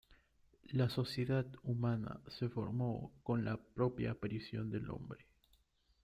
La sociedad humana se formó con la propia aparición del hombre.